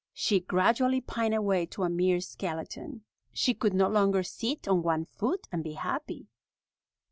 She gradually pined away to a mere skeleton. She could no longer sit on one foot and be happy.